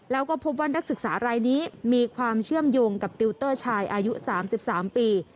แล้วก็พบว่านักศึกษารายนี้มีความเชื่อมโยงกับติวเตอร์ชายอายุ๓๓ปี